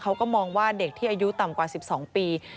เขาก็มองว่าเด็กที่อายุต่ำกว่า๑๒ปี